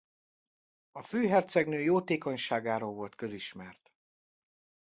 A főhercegnő jótékonyságáról volt közismert.